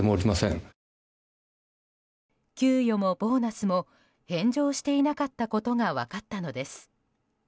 給与もボーナスも返上していなかったことが分かったのです。